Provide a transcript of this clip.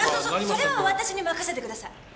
それは私に任せてください。